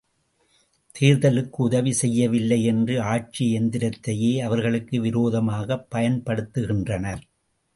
தேர்தலுக்கு உதவி செய்யவில்லை என்று ஆட்சி எந்திரத்தையே அவர்களுக்கு விரோதமாகப் பயன்படுத்துகின்றனர்.